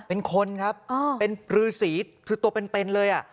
เป็นคนครับเป็นรือศรีถือตัวเป็นเลย